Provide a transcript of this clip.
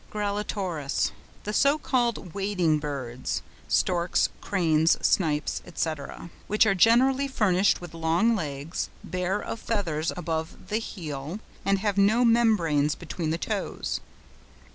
GRALLATORES.—The so called wading birds (storks, cranes, snipes, &c.), which are generally furnished with long legs, bare of feathers above the heel, and have no membranes between the toes.